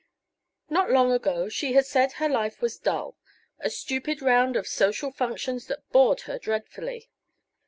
Not long ago she had said that her life was dull, a stupid round of social functions that bored her dreadfully.